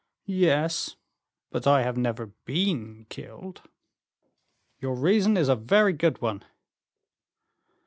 "Yes; but I have never been killed." "Your reason is a very good one."